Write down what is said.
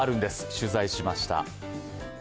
取材しました。